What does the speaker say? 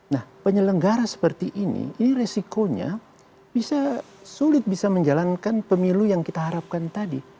nah penyelenggara seperti ini ini resikonya bisa sulit bisa menjalankan pemilu yang kita harapkan tadi